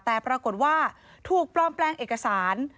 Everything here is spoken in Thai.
แต่ปรากฏว่าถูกปลอมแปลงเอกสาร